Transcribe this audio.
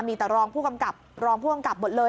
มีแต่รองผู้กำกับรองผู้กำกับหมดเลย